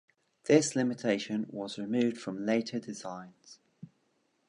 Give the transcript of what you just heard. This limitation was removed from later designs.